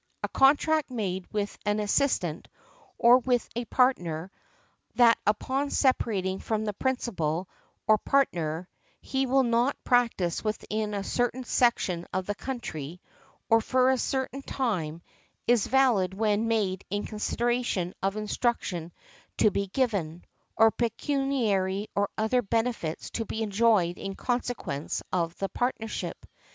A contract made with an assistant, or with a partner, that upon separating from the principal, or partner, he will not practise within a certain section of country, or for a certain time, is valid when made in consideration of instruction to be given, or pecuniary or other benefits to be enjoyed in consequence of the partnership.